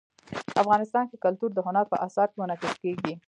افغانستان کې کلتور د هنر په اثار کې منعکس کېږي.